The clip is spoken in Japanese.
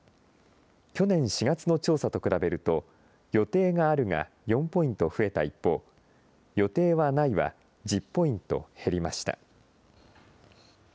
去年４月の調査と比べると、予定があるが４ポイント増えた一方、予定はないは１０ポイント減りました。